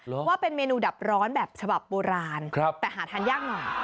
ว่าเป็นเมนูดับร้อนแบบฉบับโบราณครับแต่หาทานยากหน่อย